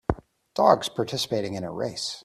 Dogs participating in a race